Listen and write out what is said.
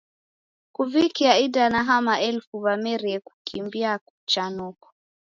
Kuvikia idanaha, maelfu w'amerie kukimbia cha noko.